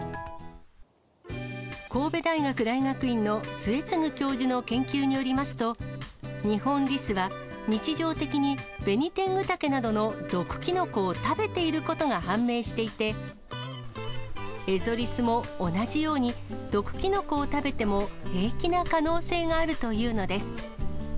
神戸大学大学院の末次教授の研究によりますと、ニホンリスは日常的にベニテングタケなどの毒キノコを食べていることが判明していて、エゾリスも同じように、毒キノコを食べても平気な可能性があるというのです。